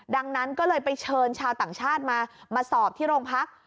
ดังนั้นก็เลยไปเชิญชาวต่างชาติมามาสอบที่โรงพัก